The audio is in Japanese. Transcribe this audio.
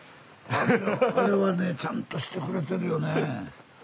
あれはねえちゃんとしてくれてるよねえ。